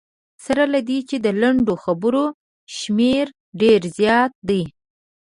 سره له دې چې د لنډو خبرو شمېر ډېر زیات دی.